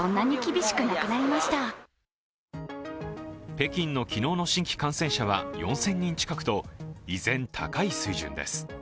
北京の昨日の新規感染者は４０００人近くと依然高い水準です。